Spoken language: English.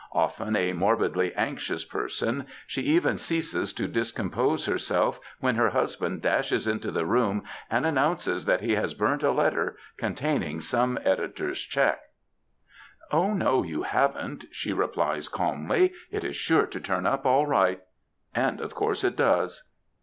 Often a morbidly anxious person, she even ceases to discompose herself when her husband dashes into the room and announces that he has burnt a letter containing some editor'*s cheque. ^^ Oh no, you haven't,'' she replies calmly; it is sure to turn up all right," and of course it does.